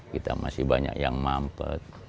kita masih banyak yang mampet